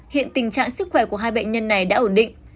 hiện tình trạng sức khỏe của hai bệnh nhân này đã ổn định